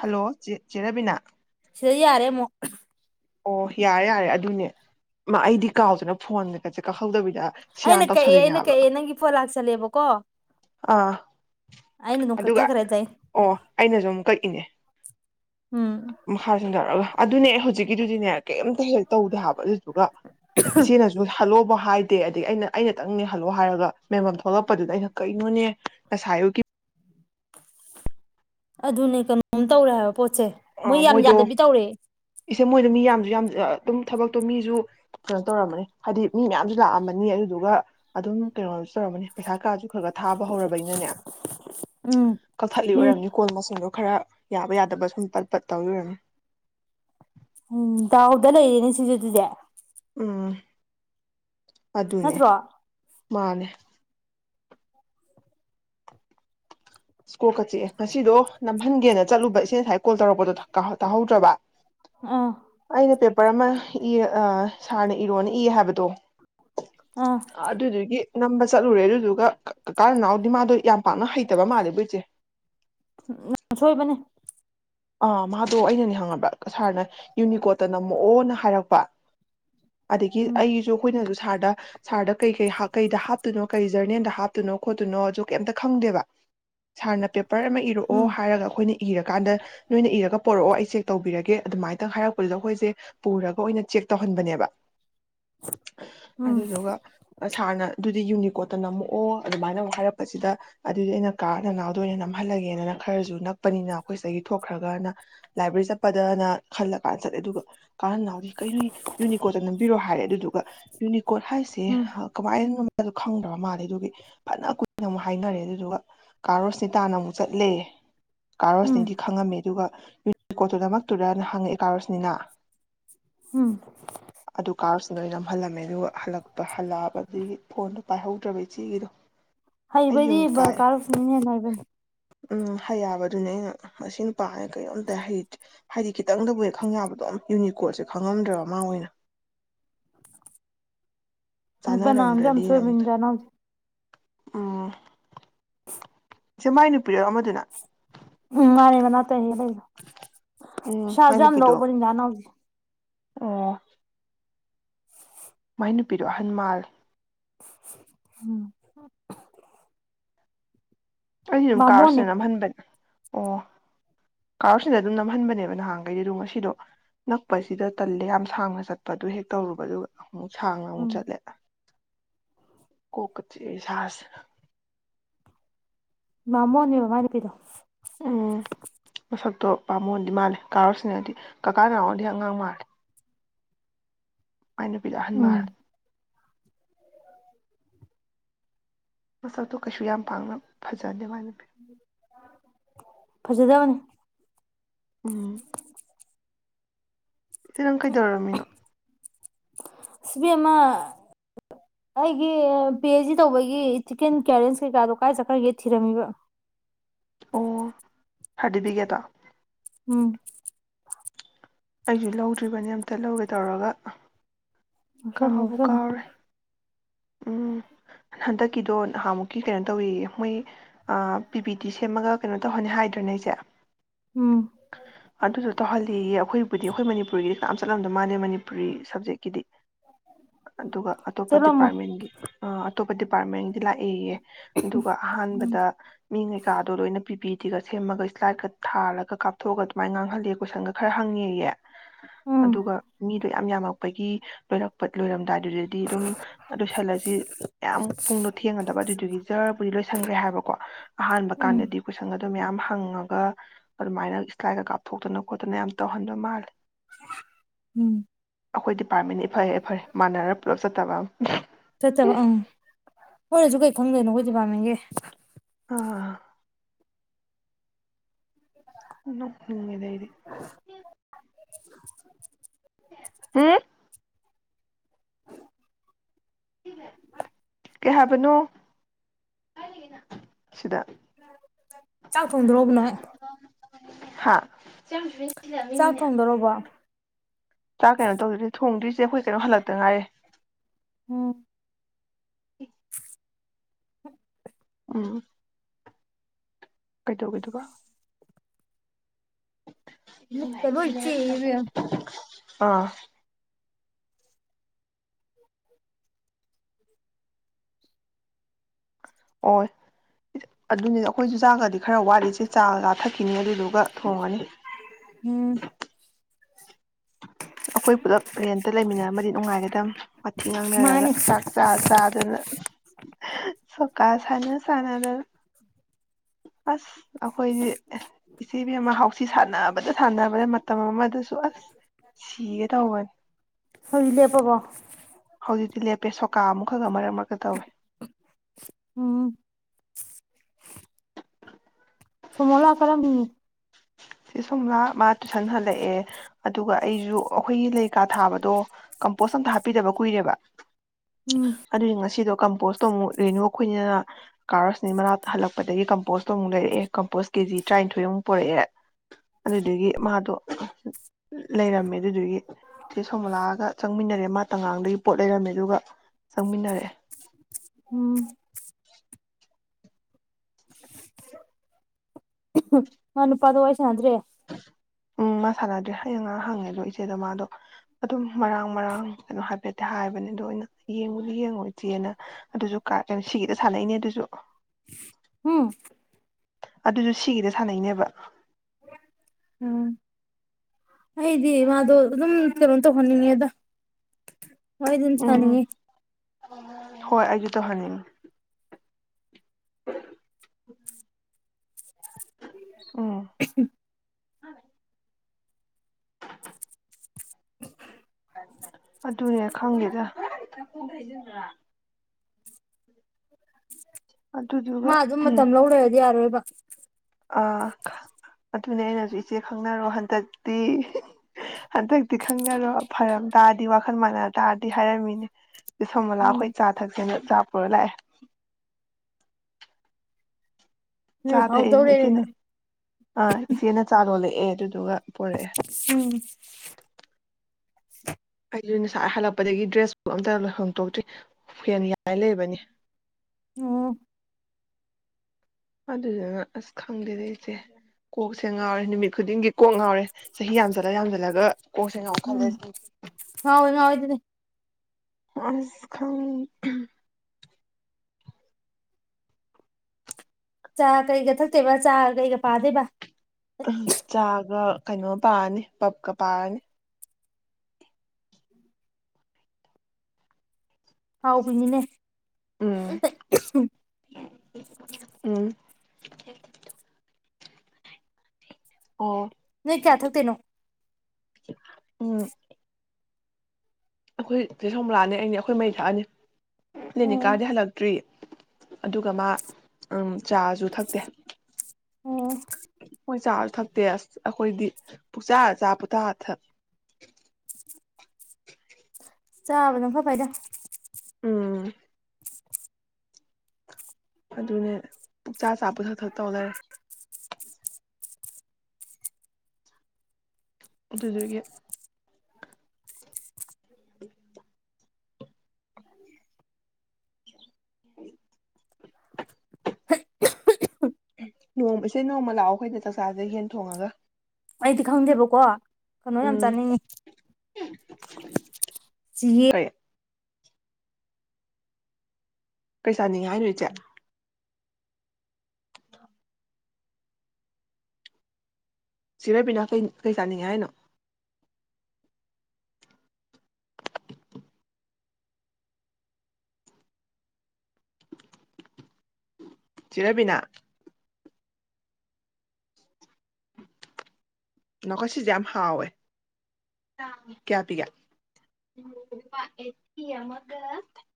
hello ꯆꯦꯔꯕꯤꯅꯥ ꯁꯤ ꯌꯥꯔꯦ ꯃꯣ ꯑꯣ ꯌꯥꯔꯦ ꯌꯥꯔꯦ ꯑꯗꯨꯅꯦ ꯃꯥ ꯑꯩꯗꯤ ꯀꯥꯎꯗꯅ ꯐꯣꯟꯗ ꯀꯠꯁꯦ ꯀꯛꯍꯧꯗꯕꯤꯗ ꯑꯩꯅ ꯁꯤꯌꯥꯟ ꯀꯛꯑꯦ ꯇꯧꯁꯜꯂꯨꯏꯅꯦ ꯑꯩꯅ ꯍꯥꯏꯕ ꯀꯛꯑꯦ ꯅꯪꯒꯤ ꯄꯣꯠ ꯂꯥꯛ ꯆꯜꯂꯦꯕꯀꯣ ꯑꯥ ꯑꯩꯅ ꯅꯣꯡ ꯑꯗꯨꯒ ꯀꯛꯊꯈ꯭ꯔꯦ ꯇꯥꯏ ꯑꯣ ꯑꯩꯅ ꯁꯨꯝ ꯀꯛꯏꯅꯦ ꯎꯝ ꯃꯈꯥ ꯆꯟꯊꯧꯔꯑꯒ ꯑꯗꯨꯅꯦ ꯑꯦ ꯍꯧꯖꯤꯛꯀꯤꯗꯨꯗꯤꯅꯦ ꯀꯩꯝꯇ ꯍꯦꯛ ꯇꯧꯗꯦ ꯍꯥꯏꯕ ꯑꯗꯨꯗꯨꯒ ꯏꯆꯦꯅꯁꯨ ꯍꯜꯂꯣꯕ ꯍꯥꯏ ꯑꯗꯒꯤ ꯑꯩꯅ ꯑꯩꯅꯪ ꯅꯍꯜꯂꯣ ꯍꯥꯏꯔꯒ ꯃꯦꯟꯐꯝ ꯊꯣꯛꯂꯛꯄꯗꯨꯗ ꯑꯩꯅ ꯀꯩꯅꯣꯅꯦ ꯉꯁꯥꯏ ꯑꯗꯨꯅꯦ ꯀꯩꯅꯣꯝ ꯇꯧꯔꯦ ꯍꯥꯏꯕ ꯄꯣꯠꯁꯦ ꯑ ꯃꯣꯏ ꯌꯥꯝ ꯃꯣꯏꯗꯣ ꯌꯥꯗꯕꯤ ꯇꯧꯔꯦ ꯏꯦ ꯃꯣꯏꯗꯣ ꯃꯤ ꯌꯥꯝꯁꯨ ꯌꯥꯝ ꯑꯗꯨꯝ ꯊꯕꯛꯇꯣ ꯃꯤꯁꯨ ꯀꯩꯅꯣ ꯇꯧꯔꯝꯃꯅꯤ ꯍꯥꯏꯗꯤ ꯃꯤ ꯃꯌꯥꯝꯁꯨ ꯂꯥꯛꯑꯝꯃꯅꯤ ꯑꯗꯨꯗꯨꯒ ꯑꯗꯨꯝ ꯀꯩꯅꯣꯁꯨ ꯇꯧꯔꯝꯃꯅꯤ ꯄꯩꯁꯥ ꯀꯥꯁꯨ ꯈꯔ ꯈꯔ ꯊꯥꯕ ꯍꯧꯔꯕꯩꯩꯅꯅꯦ ꯎꯝ ꯀꯛꯊꯠꯂꯤ ꯃꯤ ꯑꯣꯏꯔꯝꯅꯤ ꯀꯣꯜ ꯃꯁꯤꯡꯗꯣ ꯈꯔ ꯌꯥꯕ ꯌꯥꯗꯕ ꯁꯨꯝ ꯄꯠ ꯄꯠ ꯇꯧꯔꯔꯅꯤ ꯎꯝ ꯗꯥꯥꯎꯗ ꯂꯩꯔꯤꯅꯦ ꯁꯤꯁꯨ ꯑꯗꯨꯗꯤ ꯎꯝ ꯑꯗꯨꯅꯦ ꯅꯠꯇ꯭ꯔꯣ ꯃꯥꯅꯦ ꯁꯀꯣꯔ ꯀꯠ ꯆꯤꯑꯦ ꯉꯁꯤꯗꯣ ꯅꯝꯍꯟꯒꯦꯅ ꯆꯠꯂꯨꯕ ꯏꯆꯦ ꯉꯁꯥꯏ ꯀꯣꯜ ꯇꯧꯔꯛꯄꯗꯣ ꯇꯥꯍꯧꯗ꯭ꯔꯕ ꯑꯥ ꯑꯩꯅ ꯄꯦꯄꯔ ꯑꯃ ꯁꯥꯔꯅ ꯏꯔꯣꯅ ꯏꯌꯦ ꯍꯥꯏꯕꯗꯣ ꯑꯥ ꯑꯗꯨꯗꯨꯒꯤ ꯅꯝꯕ ꯆꯠꯂꯨꯔꯦ ꯑꯗꯨꯗꯨꯒ ꯀꯀꯥ ꯅꯅꯥꯎ ꯗꯤ ꯃꯥꯗꯣ ꯌꯥꯝ ꯄꯥꯛꯅ ꯍꯩꯇꯕ ꯃꯥꯜꯂꯦ ꯕꯨꯣꯏꯠꯁꯦ ꯎ ꯎꯝ ꯁꯣꯏꯕꯅꯦ ꯑꯥ ꯃꯥꯗꯣ ꯑꯩꯅꯅꯦ ꯍꯪꯉꯕ ꯁꯥꯔꯅ ꯌꯨꯅꯤꯀꯣꯠꯇ ꯅꯝꯃꯛꯑꯣꯅ ꯍꯥꯏꯔꯛꯄ ꯑꯗꯒꯤ ꯎꯝ ꯑꯩꯁꯨ ꯑꯩꯈꯣꯏꯅꯁꯨ ꯁꯥꯔꯗ ꯁꯥꯔꯗ ꯀꯩꯀꯩ ꯀꯩꯗ ꯍꯥꯞꯇꯣꯏꯅꯣ ꯀꯩ ꯖꯔꯅꯦꯜꯗ ꯍꯥꯞꯇꯣꯏꯅꯣ ꯈꯣꯠꯇꯨꯅꯣ ꯀꯩꯝꯇ ꯈꯪꯗꯦꯕ ꯁꯥꯔꯅ ꯄꯦꯄꯔ ꯑꯃ ꯏꯔꯛꯑꯣ ꯎꯝ ꯍꯥꯏꯔꯒ ꯑꯩꯈꯣꯏꯅ ꯏꯔꯀꯥꯟꯗ ꯅꯣꯏꯅ ꯏꯔꯒ ꯄꯣꯔꯔꯛꯑꯣ ꯑꯩ ꯆꯦꯛ ꯇꯧꯕꯤꯔꯒꯦ ꯑꯗꯨꯃꯥꯏꯇꯪ ꯍꯥꯏꯔꯛꯄꯗ ꯑꯩꯈꯣꯏꯁꯦ ꯄꯨꯔꯒ ꯑꯣꯏꯅ ꯆꯦꯛ ꯇꯧꯍꯟꯕꯅꯦꯕ ꯎꯝ ꯑꯗꯨꯗꯨꯒ ꯁꯥꯔꯅ ꯑꯗꯨꯗꯤ ꯌꯨꯅꯤꯀꯣꯠꯇ ꯅꯝꯃꯛꯑꯣ ꯑꯗꯨꯃꯥꯏꯅ ꯑꯃ ꯍꯥꯏꯔꯛꯄꯁꯤꯗ ꯑꯗꯨꯏꯗꯤ ꯑꯩꯅ ꯀꯥꯅ ꯂꯥꯗ ꯑꯣꯏꯅ ꯅꯝꯍꯜꯂꯒꯦꯅꯅ ꯈꯔꯁꯨ ꯅꯛꯄꯅꯤꯅ ꯑꯩꯈꯣꯏ ꯁꯤꯗꯒꯤ ꯊꯣꯛꯈ꯭ꯔꯒꯅ ꯂꯥꯏꯕ꯭ꯔꯦꯔꯤ ꯆꯠꯄꯗꯅ ꯈꯜꯂꯀꯥꯟꯗ ꯆꯠꯂꯦ ꯑꯗꯨꯒ ꯀꯥꯟ ꯅꯅꯥꯗꯤ ꯀꯩꯅꯣ ꯌꯨꯅꯤꯀꯣꯠꯇ ꯅꯝꯕꯤꯔꯣ ꯍꯥꯏꯔꯦ ꯑꯗꯨꯗꯨꯒ ꯌꯨꯅꯤꯀꯣꯠ ꯍꯥꯏꯁꯦ ꯎꯝ ꯀꯃꯥꯏꯅ ꯃꯗꯨ ꯈꯪꯗ꯭ꯔꯕ ꯃꯥꯜꯂꯦ ꯑꯗꯨꯒꯤ ꯐꯖꯅ ꯀꯨꯏꯅ ꯑꯃꯨꯛ ꯍꯥꯏꯅꯔꯦ ꯑꯗꯨꯗꯨꯒ ꯀꯥꯔꯣꯁꯅꯤ ꯇꯥꯅ ꯑꯃꯨꯛ ꯆꯠꯂꯦ ꯎꯝ ꯀꯥꯔꯣꯁꯅꯤꯗꯤ ꯈꯪꯉꯝꯃꯤ ꯑꯗꯨꯒ ꯌꯨꯅꯤꯀꯣꯠꯇꯨꯗꯃꯛꯇꯨꯔꯅ ꯍꯪꯉꯛꯑꯦ ꯀꯥꯔꯣꯁꯅꯤꯅ ꯎꯝ ꯑꯗꯨ ꯀꯥꯔꯁꯤꯡꯗ ꯅꯝ ꯍꯜꯂꯝꯃꯦ ꯑꯗꯨꯒ ꯍꯜꯂꯛꯄ ꯍꯜꯂꯛꯑꯕꯗꯒꯤ ꯐꯣꯟꯗꯣ ꯄꯥꯏꯍꯧꯗ꯭ꯔꯕ ꯏꯆꯦꯒꯤꯗꯣ [inaudible] ꯍꯩꯕꯩꯗꯤ ꯌꯨꯝ ꯕꯔ ꯀꯥꯏ ꯀꯥꯔꯛꯁꯨꯨꯅꯤꯅꯦꯅ ꯍꯥꯏꯕꯅꯤ ꯎꯝ ꯍꯩ ꯑꯕꯗꯨꯅꯦ ꯑꯩꯅ ꯃꯁꯤ ꯅꯨ ꯄꯥꯉꯦ ꯀꯩꯅꯣꯝꯇ ꯍꯩ ꯍꯥꯏꯗꯤ ꯈꯤꯇꯪꯗꯕꯨ ꯍꯦ ꯈꯪ ꯌꯥꯕꯗꯣ ꯌꯨꯅꯤꯀꯣꯠꯁꯦ ꯈꯪꯉꯝꯗ꯭ꯔꯕ ꯃꯥ ꯑꯣꯏꯅ ꯅꯥꯖ ꯌꯥꯝꯁꯣꯏꯕꯖꯅ ꯍꯧ ꯑꯣ ꯏꯦ ꯃꯥꯏ ꯅꯨꯄꯤꯔꯣ ꯑꯃꯗꯨꯅ ꯎꯝ ꯃꯥꯅꯦ ꯃꯅꯥ ꯇꯍꯦꯛ ꯂꯩꯗꯣ ꯎꯝ ꯃꯥꯏ ꯄꯩꯁꯥꯁꯨ ꯌꯥꯝ ꯅꯨꯄꯤꯗꯣ ꯂꯧꯕꯅꯤ ꯅꯍ ꯅ ꯍꯧꯖꯤꯛ ꯑꯣ ꯃꯥꯏ ꯅꯨꯄꯤꯔꯣ ꯑꯍꯟ ꯃꯥꯜ ꯎꯝ ꯑꯩꯗꯤ ꯑꯗꯨꯝ ꯕꯥꯃꯣꯟꯅꯦ ꯀꯥꯔꯨꯁꯤꯅ ꯅꯝꯍꯟꯕꯅꯦ ꯑꯣ ꯀꯥꯔꯁꯤꯗ ꯑꯗꯨꯝ ꯅꯝꯍꯟꯕꯅꯦꯕ ꯅꯍꯥꯟꯈꯩꯗꯤꯗ ꯉꯁꯤꯗꯣ ꯅꯛꯄꯁꯤꯗ ꯇꯜꯂꯦ ꯌꯥꯝ ꯁꯥꯡꯅ ꯆꯠꯄ ꯑꯗꯨ ꯍꯦꯛ ꯇꯧꯔꯨꯕ ꯑꯗꯨꯒ ꯑꯃꯨꯛ ꯁꯥꯡꯅ ꯑꯃꯨꯛ ꯎꯝ ꯆꯠꯂꯦ ꯀꯣꯛꯀ ꯆꯤꯛꯦ ꯁꯥꯁꯦ ꯏꯃꯥ ꯃꯣꯟꯅꯦꯕꯃ ꯅꯨꯄꯤꯗꯣ ꯎꯝ ꯃꯁꯛꯇꯣ ꯄꯥꯝꯃꯣꯗꯤ ꯃꯥꯜꯂꯦ ꯀꯥꯔꯁꯤꯅꯦꯗꯤ ꯀꯀꯥ ꯅꯥꯎꯔꯗꯤ ꯑꯉꯥꯡ ꯃꯥꯜꯂꯦ ꯃꯥꯏ ꯅꯨꯄꯤꯗ ꯑꯍꯜ ꯃꯥꯜ ꯎꯝ ꯃꯁꯛꯇꯣ ꯀꯩꯁꯨ ꯌꯥꯝ ꯄꯥꯡꯅ ꯐꯖꯗꯦ ꯋꯥꯅ ꯄ ꯐꯖꯗꯕꯅꯤ ꯎꯝ ꯏꯦ ꯅꯪ ꯀꯩꯗꯧꯔꯝꯃꯤꯅꯣ ꯁꯤꯕꯤꯃ ꯑꯩꯒꯤ ꯄꯤ ꯑꯩꯆ ꯗꯤ ꯇꯧꯕꯒꯤ ꯆꯤꯛꯀꯦꯟ ꯀꯦꯔꯦꯁ ꯀꯩꯀꯥꯗꯣ ꯀꯥꯏ ꯆꯠꯈ꯭ꯔꯒꯦ ꯊꯤꯔꯝꯃꯤꯕ ꯑꯣ ꯍꯥꯏꯗꯤꯕꯤꯒꯦ ꯇ ꯎꯝ ꯑꯩꯁꯨ ꯂꯧꯗ꯭ꯔꯤꯕꯅꯦ ꯑꯝꯇ ꯂꯧꯒꯦ ꯇꯧꯔꯒ ꯂꯧꯁꯜꯂꯣ ꯀꯥꯎꯍꯕꯨ ꯂꯧꯁꯜꯂꯣ ꯀꯥꯎꯔꯦ ꯎꯝ ꯍꯟꯗꯛꯀꯤꯗꯣ ꯅꯍꯥꯟꯃꯨꯛꯀꯤ ꯀꯩꯅꯣ ꯇꯧꯋ ꯃꯣꯏ ꯄꯤ ꯕꯤ ꯇꯤ ꯁꯦꯝꯃꯒ ꯀꯩꯅꯣ ꯇꯧꯍꯅꯤ ꯍꯥꯏꯗ꯭ꯔꯅꯦ ꯑꯩꯁꯦ ꯎꯝ ꯑꯗꯨꯁꯨ ꯇꯧꯍꯜꯂꯤꯌꯦ ꯑꯩꯈꯣꯏꯕꯨꯗꯤ ꯑꯩꯈꯣꯏ ꯃꯅꯤꯄꯨꯔꯤꯒꯤꯗꯤ ꯈꯝ ꯆꯠꯂꯝꯗꯧ ꯃꯥꯜꯂꯦ ꯃꯅꯤꯄꯨꯔꯤ ꯁꯕꯖꯦꯛꯀꯤꯗꯤ ꯑꯗꯨꯒ ꯑꯇꯣꯞꯄ ꯆꯠꯂꯝꯃꯣꯏ ꯗꯤꯄꯥꯔꯠꯃꯦꯟꯒꯤ ꯑꯇꯣꯞꯄ ꯗꯤꯄꯥꯔꯠꯃꯦꯟꯗꯤ ꯂꯥꯛꯑꯦꯌꯦ ꯑꯗꯨꯒ ꯎꯝ ꯑꯍꯥꯟꯕꯗ ꯃꯤ ꯀꯩꯀꯥꯗꯣ ꯂꯣꯏꯅ ꯄꯤꯄꯤꯇꯤꯒ ꯁꯦꯝꯃꯒ ꯏꯁ꯭ꯂꯥꯏꯠꯀ ꯊꯥꯜꯂꯒ ꯀꯥꯞꯊꯣꯛꯑꯒ ꯑꯗꯨꯃꯥꯏꯅ ꯉꯥꯡꯍꯜꯂꯤ ꯀꯣꯏꯁꯟꯒ ꯈꯔ ꯍꯪꯉꯦꯌꯦ ꯎꯝ ꯑꯗꯨꯒ ꯃꯤꯗꯣ ꯌꯥꯝ ꯌꯥꯝꯃꯛꯄꯒꯤ ꯂꯣꯏꯔꯛꯄ ꯂꯣꯏꯔꯝꯗꯥꯏ ꯗꯨꯗꯗꯤ ꯑꯗꯨꯝ ꯑꯗꯨꯁꯜꯂꯁꯤ ꯌꯥꯝ ꯄꯨꯡꯗꯣ ꯊꯦꯡꯉꯗꯕ ꯑꯗꯨꯏꯗꯨꯒꯤ ꯖꯔꯕꯨꯗꯤ ꯂꯣꯏꯁꯪꯈ꯭ꯔꯦ ꯍꯥꯏꯕꯀꯣ ꯑꯍꯥꯟꯕ ꯎꯝ ꯀꯥꯟꯗꯗꯤ ꯀꯣꯏꯁꯟꯒ ꯑꯗꯨ ꯃꯌꯥꯝ ꯍꯪꯉꯒ ꯑꯗꯨꯃꯥꯏꯅ ꯏꯁꯂꯥꯏꯠꯀ ꯀꯥꯞꯊꯣꯛꯇꯅ ꯈꯣꯠꯇꯅ ꯌꯥꯝ ꯇꯧꯍꯟꯕ ꯃꯥꯜꯂꯦ ꯎꯝ ꯑꯩꯈꯣꯏ ꯗꯤꯄꯥꯔꯠꯃꯦꯟꯅ ꯑꯐ ꯍꯦꯛ ꯐꯔꯦ ꯃꯥꯟꯅꯔ ꯄꯨꯂꯞ ꯆꯠꯇꯕ [unintelligible] ꯆꯠꯇꯕ ꯑꯪ ꯃꯣꯏꯅꯁꯨ ꯀꯩ ꯈꯪꯗꯣꯏꯅꯣ ꯑꯩꯈꯣꯏ ꯗꯤꯄꯥꯃꯦꯟꯒꯤ ꯑ ꯅꯣꯛꯅꯤꯡꯉꯦꯗ ꯑꯩꯗꯤ [inaudible] ꯍꯥ [unintelligible] ꯀꯩ ꯍꯥꯏꯕꯅꯣ [unintelligible] ꯁꯤꯗ ꯆꯥꯛ ꯊꯣꯡꯗ꯭ꯔꯣꯕꯣ ꯅꯣꯏ ꯍꯥꯥ [unintelligible] ꯆꯥꯛ ꯊꯣꯡꯗꯣꯔꯕꯣ ꯆꯥꯛ ꯀꯩꯅꯣ ꯇꯧꯗꯔꯤ ꯊꯣꯡꯗ꯭ꯔꯤ ꯏꯆꯦ ꯑꯩꯈꯣꯏ ꯀꯩꯅꯣ ꯍꯜꯂꯛꯇ ꯉꯥꯏꯔꯤ ꯎ ꯎꯝ ꯀꯩꯗꯧꯒꯤꯗꯨꯕ ꯃꯤꯠꯀ ꯂꯣꯏ ꯆꯤꯛꯑꯦ ꯏꯕꯦꯝꯃ [unintelligible] ꯑꯥ ꯑꯣꯏ ꯑꯗꯨꯅꯤꯗ ꯑꯩꯈꯣꯏꯁꯨ ꯆꯥꯛꯀꯥꯗꯤ ꯈꯔ ꯋꯥꯠꯂꯤ ꯏꯆꯦ ꯆꯥ ꯀꯩꯀꯥ ꯊꯛꯈꯤꯅꯤ ꯑꯗꯨꯗꯨꯒ ꯊꯣꯡꯉꯅꯤ ꯎꯝ ꯑꯩꯈꯣꯏ ꯄꯨꯂꯞ ꯔꯦꯟꯇ ꯂꯩꯃꯤꯟꯅꯔꯝꯃꯗꯤ ꯅꯨꯡꯉꯥꯏꯒꯗꯝ ꯋꯥꯊꯤ ꯉꯥꯡꯅꯔꯒ ꯃꯥꯅꯤ ꯆꯥꯛ ꯆꯥꯛ ꯆꯥꯗꯅ ꯁꯣꯀꯥ ꯁꯥꯟꯅ ꯁꯥꯟꯅꯗꯅ ꯑꯁ ꯑꯩꯈꯣꯏꯗꯤ ꯑꯦ ꯏꯆꯦ ꯏꯕꯦꯝꯃ ꯍꯥꯎꯁꯤ ꯁꯥꯟꯅꯕꯗ ꯁꯥꯟꯅꯕꯗ ꯃꯇꯝ ꯑꯃꯗꯁꯨ ꯑꯁ ꯁꯤꯒꯦ ꯇꯧꯕꯅꯦ ꯍꯧꯖꯤꯛ ꯂꯦꯞꯄꯕꯣ ꯍꯧꯖꯤꯛꯇꯤ ꯂꯦꯞ ꯄꯦ ꯁꯣꯀꯥ ꯑꯃꯨꯛ ꯈꯒ ꯃꯔꯛ ꯃꯔꯛꯇ ꯇꯧꯋꯦ ꯎꯝ ꯁꯨꯃꯣꯂꯥ ꯀꯔꯝ ꯍꯤꯡꯉꯤ ꯆꯦ ꯁꯣꯝꯂꯥ ꯃꯥ ꯇꯨꯏꯁꯟ ꯍꯜꯂꯛꯑꯦ ꯑꯗꯨꯒ ꯑꯩꯁꯨ ꯑꯩꯈꯣꯏꯒꯤ ꯂꯩꯀꯥ ꯊꯥꯕꯗꯣ ꯀꯝꯄꯣꯁ ꯑꯝꯇ ꯍꯥꯞꯄꯤꯗꯕ ꯀꯨꯏꯔꯦꯕ ꯎꯝ ꯑꯗꯨꯏ ꯉꯁꯤꯗꯣ ꯀꯝꯄꯣꯁꯇꯣ ꯑꯃꯨꯛ ꯔꯦꯅꯨ ꯑꯩꯈꯣꯏꯅꯤꯅ ꯀꯥ ꯔꯣꯁꯅꯤ ꯃꯅꯥꯛꯇ ꯍꯜꯂꯛꯄꯗꯒꯤ ꯀꯝꯄꯣꯁꯇꯣ ꯑꯃꯨꯛ ꯂꯩꯔꯛꯑꯦ ꯀꯝꯄꯣꯁ ꯀꯦꯖꯤ ꯇꯔꯥꯅꯤꯊꯣꯏꯃꯨꯛ ꯄꯨꯔꯛꯑꯦ ꯑꯗꯨꯗꯨꯒꯤ ꯃꯥꯗꯣ ꯂꯩꯔꯝꯃꯦ ꯑꯗꯨꯗꯨꯒꯤ ꯆꯦ ꯁꯣꯝꯂꯥꯒ ꯆꯪꯃꯤꯟꯅꯔꯛꯑꯦ ꯃꯥ ꯇꯉꯥꯡꯗꯒꯤ ꯄꯣꯠ ꯂꯩꯔꯝꯃꯦ ꯑꯗꯨꯒ ꯆꯪꯃꯤꯟꯅꯔꯛꯑꯦ ꯎꯝ ꯃꯥ ꯅꯨꯄꯥꯗꯣ ꯋꯥꯔꯤ ꯁꯥꯟꯅꯗ꯭ꯔꯦ ꯎꯝ ꯃꯥ ꯁꯥꯟꯅꯗ꯭ꯔꯦ ꯑꯩꯅ ꯉꯔꯥꯡ ꯍꯪꯉꯦ ꯑꯗꯣ ꯏꯆꯦꯗ ꯃꯥꯗꯣ ꯑꯗꯨꯝ ꯃꯔꯥꯡ ꯃꯔꯥꯡ ꯀꯩꯅꯣ ꯍꯥꯏꯐꯦꯠꯇꯤ ꯍꯥꯏꯕꯅꯦ ꯑꯗꯣ ꯑꯩꯅ ꯌꯦꯡꯕꯨꯗꯤ ꯌꯦꯡꯉꯣ ꯏꯆꯦꯅ ꯑꯗꯨꯁꯨ ꯀꯥ ꯑꯦꯝꯁꯤꯒꯤꯗ ꯁꯥꯟꯅꯩꯅꯦ ꯑꯗꯨꯁꯨ ꯍꯨꯡ ꯑꯗꯨꯁꯨ ꯁꯤꯒꯤꯗ ꯁꯥꯟꯅꯩꯅꯦꯕ ꯎꯝ ꯑꯩꯗꯤ ꯃꯥꯗꯣ ꯑꯗꯨꯝ ꯀꯩꯅꯣ ꯇꯧꯍꯟꯅꯤꯡꯉꯦꯗ ꯋꯥꯏꯗꯤ ꯑꯗꯨꯝ ꯎꯝ ꯁꯥꯅꯤꯡꯉꯦ ꯍꯣꯏ ꯑꯩꯒꯤꯇ ꯍꯅꯤꯅꯤ [unintelligible] ꯑꯣ ꯑꯗꯨꯅꯦ ꯈꯪꯒꯦꯗ ꯎ ꯃꯥ ꯑꯗꯨꯝ ꯃꯇꯝ ꯂꯧꯔꯗꯤ ꯌꯥꯔꯣꯏꯕ ꯑꯥ ꯑꯗꯨꯅꯦ ꯑꯩꯅꯁꯨ ꯏꯆꯦ ꯈꯪꯅꯔꯣ ꯍꯟꯗꯛꯇꯤ ꯍꯟꯗꯛꯇꯤ ꯈꯪꯅꯔꯣ ꯐꯔꯝ ꯇꯥꯔꯗꯤ ꯋꯥꯈꯜ ꯃꯥꯟꯅ ꯇꯥꯔꯗꯤ ꯍꯥꯏꯔꯝꯃꯤꯅꯦ ꯁꯝ ꯃꯣꯂꯥ ꯎꯝ ꯑꯩꯈꯣꯏ ꯆꯥ ꯊꯛꯁꯦꯅ ꯆꯥꯛ ꯄꯨꯔ ꯂꯥꯛꯑꯦ ꯅꯣꯏ ꯆꯥ ꯊꯛꯑꯦ ꯑꯗꯨꯅ ꯏꯆꯦꯅ ꯍꯥꯎꯗꯧꯔꯦꯅꯦ ꯑꯥ ꯏꯆꯦꯅ ꯆꯥ ꯂꯣꯜꯂꯛꯑꯦ ꯑꯗꯨꯗꯨꯒ ꯄꯣꯔꯛꯑꯦ ꯎꯝ ꯑꯩꯁꯨ ꯅꯁꯥꯏ ꯍꯜꯂꯛꯄꯗꯒꯤ ꯗ꯭ꯔꯦꯁꯄꯨ ꯑꯝꯇ ꯂꯣꯏꯍꯣꯡꯗꯣꯛꯇ꯭ꯔꯤ ꯍꯦꯟ ꯌꯥꯏ ꯂꯩꯕꯅꯤ ꯑꯣꯝ ꯑꯗꯨꯗꯨꯅ ꯑꯁ ꯈꯪꯗꯦꯗ ꯏꯆꯦ ꯀꯣꯛꯁꯦ ꯉꯥꯎꯔꯦ ꯅꯨꯃꯤꯠ ꯈꯨꯗꯤꯡꯒꯤ ꯀꯣꯛ ꯉꯥꯎꯔꯦ ꯆꯍꯤ ꯌꯥꯝ ꯆꯠꯂ ꯌꯥꯝꯁꯤꯜꯂꯒ ꯀꯣꯛꯁ ꯉꯈꯜꯂ ꯎꯝ ꯉꯥꯎꯋꯦ ꯉꯥꯎꯋꯦ ꯑꯗꯨꯅꯦ ꯑꯁ ꯈꯪ ꯆꯥ ꯀꯩꯒ ꯊꯛꯇꯦꯕ ꯆꯥ ꯀꯩꯒ ꯄꯥꯗꯦꯕ ꯆꯥꯒ ꯀꯩꯅꯣ ꯄꯥꯔꯅꯤ ꯄꯞꯀ ꯄꯥꯔꯅꯤ ꯍꯥꯎ ꯄꯅꯤꯅꯦ ꯎꯝ ꯎꯝ ꯑꯣ ꯅ ꯀꯌꯥꯊ ꯇꯅꯣ ꯎꯝ ꯑꯩꯈꯣꯏ ꯁ ꯁꯣꯝꯂꯥꯅꯦ ꯑꯩꯅꯦ ꯑꯩꯈꯣꯏ ꯃꯩ ꯊꯥꯛꯑꯅꯤ ꯑꯣ ꯀ꯭ꯂꯤꯅꯤꯀꯥꯗꯤ ꯍꯜꯂꯛꯇ꯭ꯔꯤ ꯑꯗꯨꯒ ꯃꯥ ꯆꯥꯁꯨ ꯊꯛꯇꯦ ꯑꯣ ꯃꯣꯏ ꯆꯥꯁꯨ ꯊꯛꯇꯦ ꯑꯁ ꯑꯩꯈꯣꯏꯗꯤ ꯄꯨꯛꯆꯥꯥ ꯆꯥ ꯄꯨꯣꯊꯔ ꯊꯛ ꯆꯥꯕꯗꯝ ꯐ ꯐꯥꯏꯗ ꯎꯝ ꯑꯗꯨꯅꯦ ꯆꯥ ꯆꯥ ꯄꯨꯊꯛ ꯊꯛ ꯇꯧ ꯂꯩꯔꯦ ꯑꯗꯨꯖꯒ [unintelligible] [inaudible] ꯅꯣꯡꯃꯁꯦ ꯅꯣꯡꯃ ꯂꯥꯛꯑꯣ ꯑꯩꯈꯣꯏꯅ ꯆꯥꯛꯆꯥꯥꯁꯦ ꯍꯦꯟ ꯊꯣꯡꯉꯒ ꯑꯩꯗꯤ ꯈꯪꯗꯦꯕꯀꯣ ꯀꯩꯅꯣ ꯌꯥꯝ ꯎꯝ ꯆꯥꯅꯤꯡꯉꯤ ꯆ ꯀꯩ ꯀꯩ ꯆꯥꯅꯤꯡꯉꯦ ꯍꯥꯏꯅꯣ ꯏꯆꯦ ꯁꯤꯔꯕꯤꯅꯥ ꯀꯩ ꯀꯩ ꯆꯥꯅꯤꯡꯉꯦ ꯍꯥꯏꯅꯣ ꯆꯤꯔꯥꯕꯤꯅꯥ ꯅꯈꯣꯏ ꯁꯤꯁꯦ ꯌꯥꯝ ꯍꯥꯎꯋꯦ ꯀꯌꯥ ꯄꯤꯒꯌꯥ [unintelligible]